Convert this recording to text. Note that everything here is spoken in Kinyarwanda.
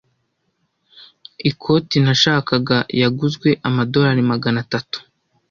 Ikoti nashakaga yaguzwe amadorari magana atatu.